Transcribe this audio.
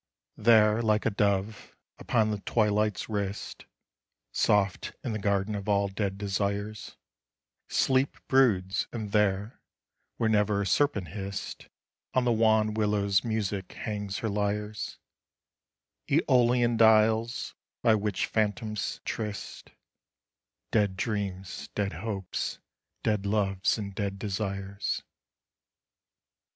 There, like a dove, upon the twilight's wrist, Soft in the Garden of all Dead Desires, Sleep broods; and there, where never a serpent hissed, On the wan willows music hangs her lyres, ÆOLIAN dials by which phantoms tryst Dead dreams, dead hopes, dead loves, and dead desires.